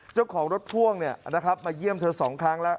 เจ้าของรถพ่วงเนี่ยนะครับมาเยี่ยมเธอ๒ครั้งแล้ว